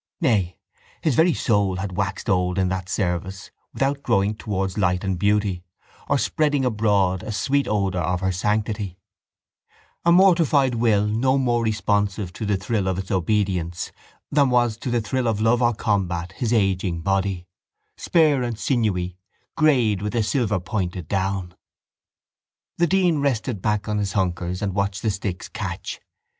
Nay, his very soul had waxed old in that service without growing towards light and beauty or spreading abroad a sweet odour of her sanctity—a mortified will no more responsive to the thrill of its obedience than was to the thrill of love or combat his ageing body, spare and sinewy, greyed with a silver pointed down. The dean rested back on his hunkers and watched the sticks catch.